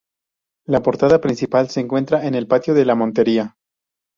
La portada principal se encuentra en el patio de la Montería.